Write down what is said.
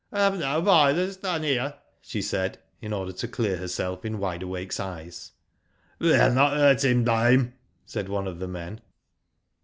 "FU have no violence done here," she said, in order to clear herself in Wide Awakens eyes. We'll not hurt him, dame," said one of the men.